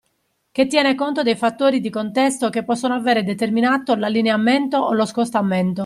Che tiene conto dei fattori di contesto che possono avere determinato l'allineamento o lo scostamento